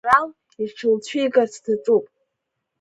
Аинрал иҽылцәигарц даҿуп.